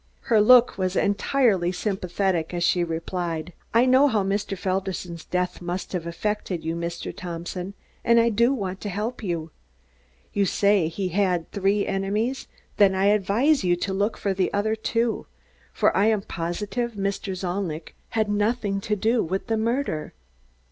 Her look was entirely sympathetic as she replied. "I know how Mr. Felderson's death must have affected you, Mr. Thompson, and I do want to help you. You say he had three enemies; then I advise you to look for the other two, for I am positive Mr. Zalnitch had nothing to do with the murder."